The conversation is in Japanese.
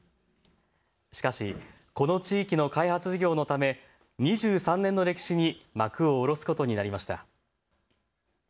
しかしこの地域の開発事業のため２３年の歴史に幕を下ろすことになりました。